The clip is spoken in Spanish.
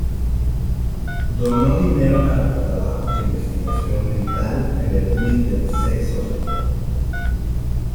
Donó dinero para los trabajos de investigación dental en el Middlesex Hospital.